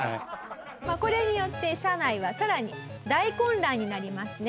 これによって社内はさらに大混乱になりますね。